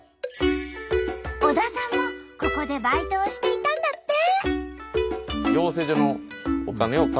小田さんもここでバイトをしていたんだって！